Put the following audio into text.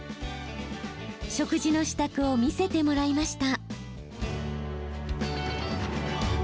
食事の支度を見せてもらいました。